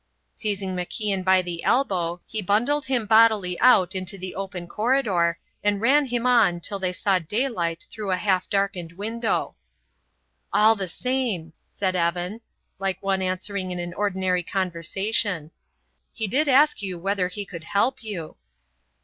Seizing MacIan by the elbow he bundled him bodily out into the open corridor and ran him on till they saw daylight through a half darkened window. "All the same," said Evan, like one answering in an ordinary conversation, "he did ask you whether he could help you."